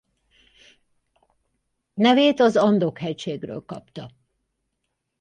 Nevét az Andok-hegységről kapta.